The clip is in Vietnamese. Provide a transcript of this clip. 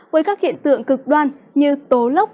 với các hiện tượng cực đoan như tố lốc